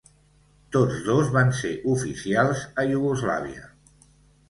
Tots dos van ser oficials a Iugoslàvia.